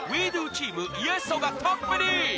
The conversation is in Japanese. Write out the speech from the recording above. チームイェソがトップに